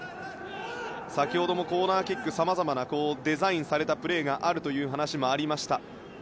先ほどもコーナーキックでさまざまなデザインされたプレーがあるという話もありました。